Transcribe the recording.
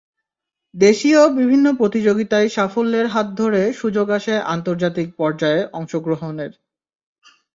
দেশীয় বিভিন্ন প্রতিযোগিতায় সাফল্যের হাত ধরে সুযোগ আসে আন্তর্জাতিক পর্যায়ে অংশগ্রহণের।